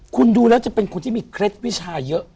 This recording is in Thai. คุณดูแล้วจะเป็นคนที่มีเคล็ดวิชาเยอะ